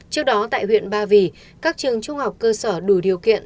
trước đó tại huyện ba vì các trường trung học cơ sở đủ điều kiện